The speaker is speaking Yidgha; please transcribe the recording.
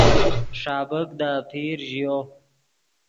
ݰابیک دے آپیر ژیو